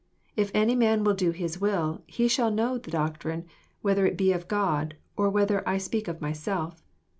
17 If any man will do bis will, he shall know of the doetrine, whether it be of God, or whether I speak of myself.